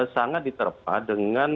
sangat diterpa dengan